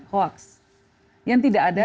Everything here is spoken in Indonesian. hoax yang tidak ada